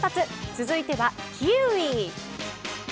続いてはキウイ！